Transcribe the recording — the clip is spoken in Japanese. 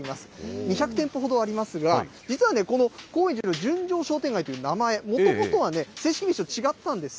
２００店舗ほどありますが、実はね、この高円寺の純情商店街と名前、もともとは正式名称違ったんです。